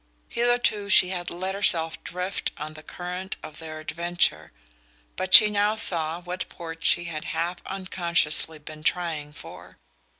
Hitherto she had let herself drift on the current of their adventure, but she now saw what port she had half unconsciously been trying for.